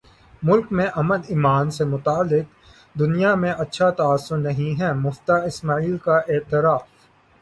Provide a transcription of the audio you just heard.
ملک میں امن امان سے متعلق دنیا میں اچھا تاثر نہیں ہے مفتاح اسماعیل کا اعتراف